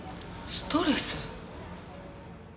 ストレス？